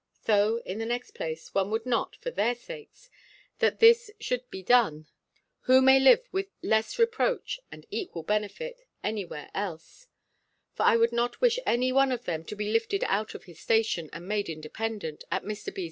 So, in the next place, one would not, for their sakes, that this should be done; who may live with less reproach, and equal benefit, any where else; for I would not wish any one of them to be lifted out of his station, and made independent, at Mr. B.'